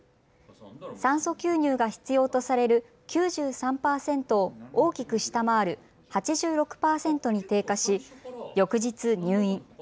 酸素吸入が必要とされる９３％を大きく下回る８６％に低下し翌日、入院。